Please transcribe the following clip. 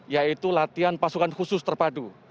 yaitu latihan pasukan khusus terpadu